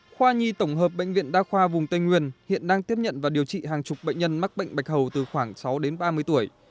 khoa nhi tổng hợp bệnh viện đa khoa vùng tây nguyên hiện đang tiếp nhận và điều trị hàng chục bệnh nhân mắc bệnh bạch hầu từ khoảng sáu đến ba mươi tuổi